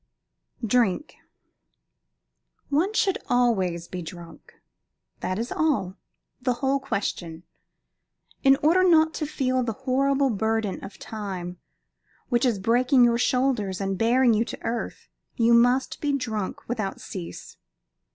DRINK One should be always drunk. That is all, the whole question. In order not to feel the horrible burden of Time, which is breaking your shoulders and bearing you to earth, you must be drunk without cease.